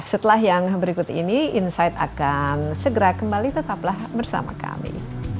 setelah yang berikut ini insight akan segera kembali tetaplah bersama kami